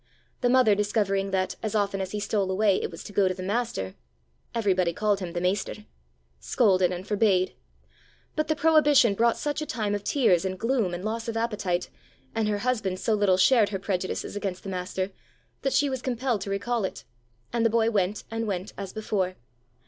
The mother discovering that, as often as he stole away, it was to go to the master everybody called him the maister scolded and forbade. But the prohibition brought such a time of tears and gloom and loss of appetite, and her husband so little shared her prejudices against the master, that she was compelled to recall it, and the boy went and went as before.